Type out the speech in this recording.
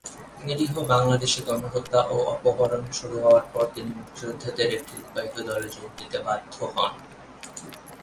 নিরীহ বাংলাদেশি গণহত্যা ও অপহরণ শুরু হওয়ার পর তিনি মুক্তিযোদ্ধাদের একটি লুকায়িত দলে যোগ দিতে বাধ্য হন।